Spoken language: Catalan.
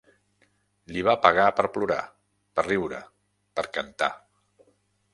Li va pegar per plorar, per riure, per cantar.